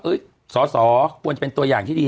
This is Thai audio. สอสอควรจะเป็นตัวอย่างที่ดี